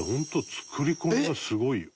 作り込みがすごいよ。